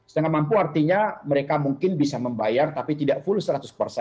setengah mampu artinya mereka mungkin bisa membayar tapi tidak full seratus persen